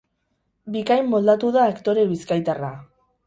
Bikain moldatu da aktore bizkaitarra.